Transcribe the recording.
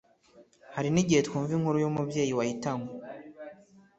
Hari n igihe twumva inkuru y umubyeyi wahitanywe